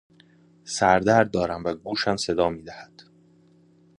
سردرد دارم و گوشم صدا میدهد.